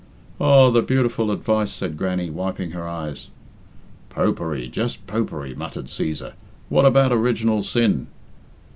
"Aw, the beautiful advice," said Grannie, wiping her eyes. "Popery, just Popery," muttered Cæsar. "What about original sin?"